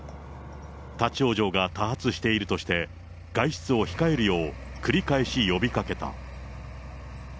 立往生が多発しているとして、外出を控えるよう、繰り返し呼びかけた。